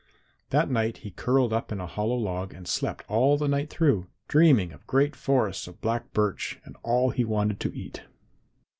That night he curled up in a hollow log and slept all the night through, dreaming of great forests of black birch and all he wanted to eat.